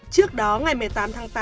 trước đó ngày một mươi tám tháng tám